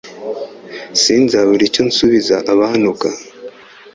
Sinzabure icyo nsubiza abantuka